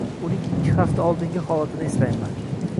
Uning ikki hafta oldingi holatini eslayman